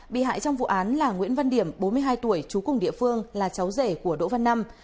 bị hại trong vụ án là nguyễn văn điểm bốn mươi hai tuổi trú cùng địa phương là cháu rể của đỗ văn năm